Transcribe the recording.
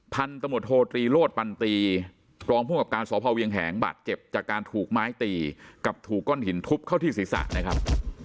พันธมตโทตรีโลศปันตีรองภูมิกับการสพเวียงแหงบาดเจ็บจากการถูกไม้ตีกับถูกก้อนหินทุบเข้าที่ศีรษะนะครับ